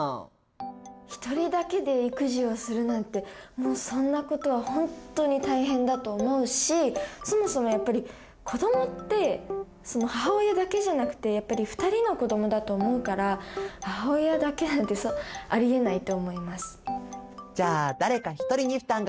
一人だけで育児をするなんてもうそんなことはほんとに大変だと思うしそもそもやっぱり子どもって母親だけじゃなくてやっぱり２人の子どもだと思うから母親だけなんてありえないと思います。